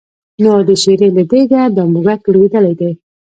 نو د شېرې له دېګه دا موږک لوېدلی دی.